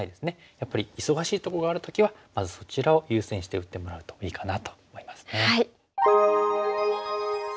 やっぱり忙しいとこがある時はまずそちらを優先して打ってもらうといいかなと思いますね。